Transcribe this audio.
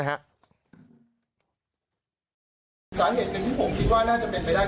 สาเหตุหนึ่งที่ผมคิดว่าน่าจะเป็นไปได้